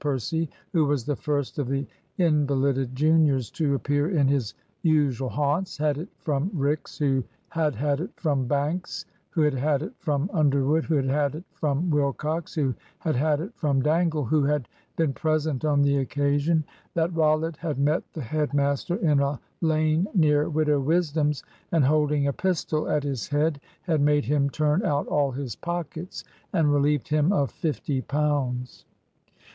Percy (who was the first of the invalided juniors to appear in his usual haunts) had it from Rix, who had had it from Banks, who had had it from Underwood, who had had it from Wilcox, who had had it from Dangle, who had been present on the occasion, that Rollitt had met the head master in a lane near Widow Wisdom's, and holding a pistol at his head had made him turn out all his pockets, and relieved him of fifty pounds.